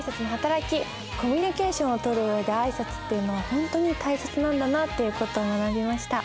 コミュニケーションをとる上で挨拶っていうのはほんとに大切なんだなっていう事を学びました。